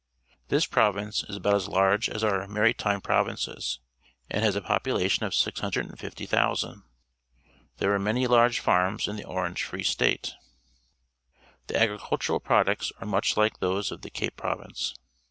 — This province is about as large as our ^Maritime Provinces, and has a population of 650,000. There are THE ISLANDS OF ATRICA 237 manyJtarg&ia^^ in the Orange Free Slate. The agricultural products are much like those of the Cape Province.